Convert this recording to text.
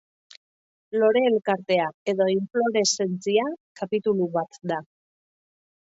Lore-elkartea edo infloreszentzia kapitulu bat da.